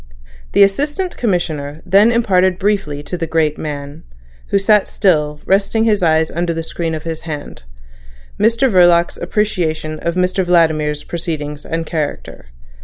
The Assistant Commissioner then imparted briefly to the great man, who sat still, resting his eyes under the screen of his hand, Mr Verloc's appreciation of Mr Vladimir's proceedings and character.